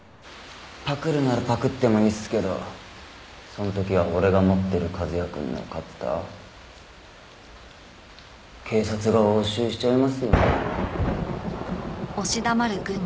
パクるならパクってもいいですけどその時は俺が持ってる和哉くんのカッター警察が押収しちゃいますよね。